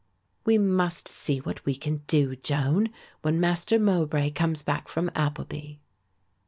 "We must see what we can do, Joan, when Master Mowbray comes back from Appleby."